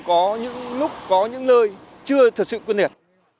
có những lúc có những nơi chưa thật sự quyết liệt